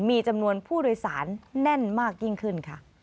มีจำนวนผู้โดยสารแน่นมากยิ่งขึ้นค่ะ